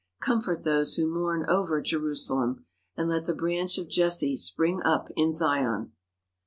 Comfort those who mourn over Jerusalem, And let the branch of Jesse spring up in Zion!